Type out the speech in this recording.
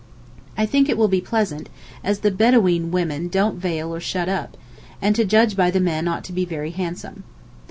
I think it will be pleasant, as the Bedaween women don't veil or shut up, and to judge by the men ought to be very handsome.